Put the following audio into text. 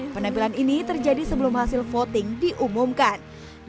penampilan ini terjadi sebelum hasil voting diumumkan